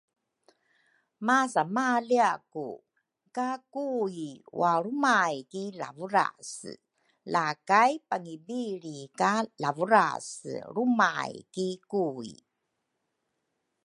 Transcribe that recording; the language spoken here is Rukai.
masamaliaku ka Kui walrumay ki Lavurase la kai pangibilri ka Lavurase lrumay ki Kui.